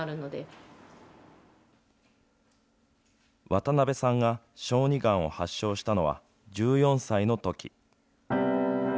渡邉さんが小児がんを発症したのは１４歳のとき。